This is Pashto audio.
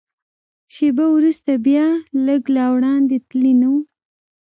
شېبه وروسته بیا، لږ لا وړاندې تللي نه و.